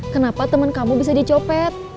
kenapa teman kamu bisa dicopet